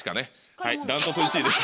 はい断トツ１位です。